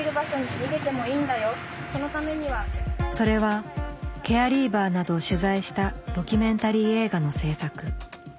それはケアリーバーなどを取材したドキュメンタリー映画の製作。